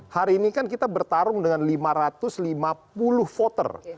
hari ini kan kita bertarung dengan lima ratus lima puluh voter